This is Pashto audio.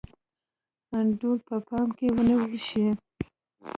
انډول په پام کې ونیول شي.